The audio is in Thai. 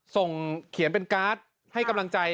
เขียนเป็นการ์ดให้กำลังใจ